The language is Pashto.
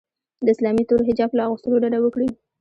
د اسلامي تور حجاب له اغوستلو ډډه وکړي